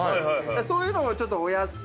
そういうのをちょっとお安く。